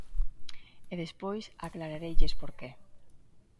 E despois aclarareilles por que.